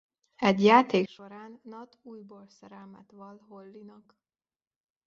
Egy játék során Nat újból szerelmet vall Hollynak.